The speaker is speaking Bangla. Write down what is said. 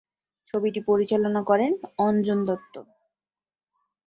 ছবিটি পরিচালনা করেন অঞ্জন দত্ত।